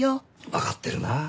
わかってるなあ。